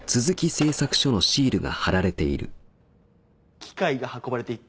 機械が運ばれていった。